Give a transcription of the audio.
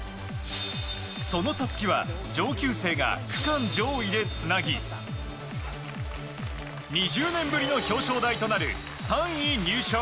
そのたすきは上級生が区間上位でつなぎ２０年ぶりの表彰台となる３位入賞。